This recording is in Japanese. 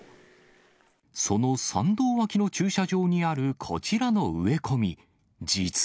その参道脇の駐車場にあるこちらの植え込み。